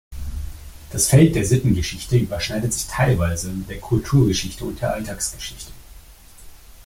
Das Feld der Sittengeschichte überschneidet sich teilweise mit der Kulturgeschichte und der Alltagsgeschichte.